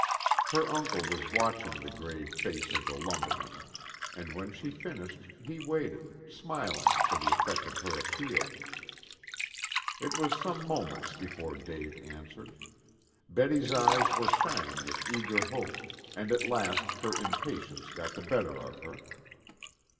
Her uncle was watching the grave face of the lumberman; and when she finished he waited, smiling, for the effect of her appeal. It was some moments before Dave answered. Betty's eyes were shining with eager hope, and at last her impatience got the better of her.